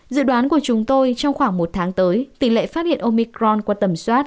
dự đoán của chúng tôi trong khoảng một tháng tới tỷ lệ phát hiện omicron qua tầm soát